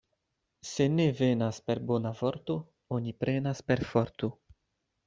Se ne venas per bona vorto, oni prenas per forto.